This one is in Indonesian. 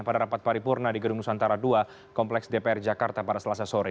pada rapat paripurna di gedung nusantara ii kompleks dpr jakarta pada selasa sore